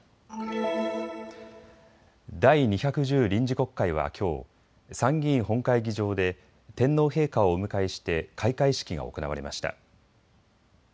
第２１０臨時国会はきょう参議院本会議場で天皇陛下をお迎えして開会式が行われました。